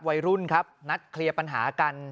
วัยรุ่นครับนัดเคลียร์ปัญหากัน